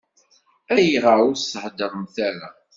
Ayɣer ur s-thedremt ara?